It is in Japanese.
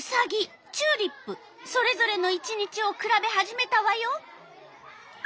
それぞれの１日をくらべ始めたわよ。